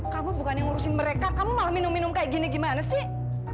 kamu bukan yang ngurusin mereka kamu malah minum minum kayak gini gimana sih